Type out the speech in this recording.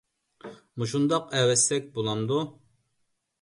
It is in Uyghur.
مۇشۇنداق ئەۋەتسەك بولامدۇ؟